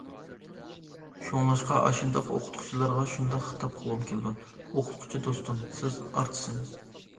شۇڭلاشقا، ئاشۇنداق ئوقۇتقۇچىلارغا شۇنداق خىتاب قىلغۇم كېلىدۇ: ئوقۇتقۇچى دوستۇم، سىز ئارتىس ئەمەس!